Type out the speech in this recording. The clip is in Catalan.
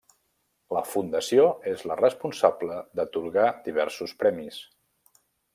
La Fundació és la responsable d'atorgar diversos premis.